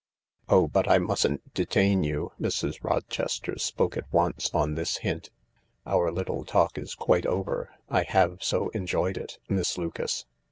"Oh, but I mustn't detain you." Mrs. Rochester spoke at once on this hint. " Our little talk is quite over. I have so enjoyed it, Miss Lucas.